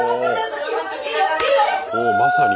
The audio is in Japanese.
おまさに。